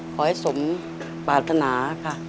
ขอให้สมปรารถนาค่ะ